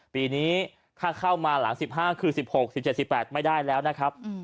ปีนี้ถ้าเข้ามาหลัง๑๕คือ๑๖๑๗๑๘ไม่ได้แล้วนะครับ